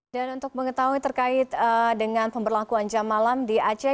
dan untuk mengetahui terkait dengan pemberlakuan jam malam di aceh